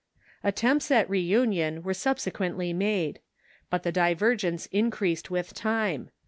Attempts at reunion were subsequently made. But the divergence increased with time.